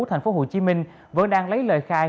thành phố hồ chí minh vẫn đang lấy lời khai